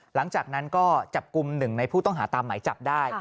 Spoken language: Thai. หลังจากนั้นก็จับกลุ่มหนึ่งในผู้ต้องหาตามหมายจับได้